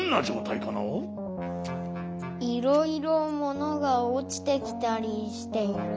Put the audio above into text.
いろいろものがおちてきたりしている。